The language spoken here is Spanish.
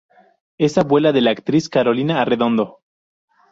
Es abuela de la actriz Carolina Arredondo.